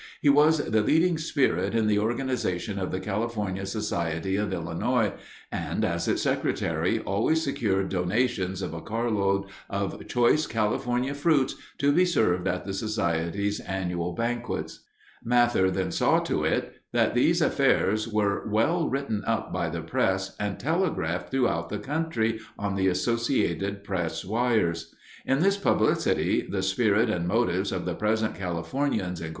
He was the leading spirit in the organization of the California Society of Illinois and, as its secretary, always secured donations of a carload of choice California fruits to be served at the Society's annual banquets. Mather then saw to it that these affairs were well written up by the press and telegraphed throughout the country on the Associated Press wires. In this publicity the spirit and motives of the present Californians, Inc.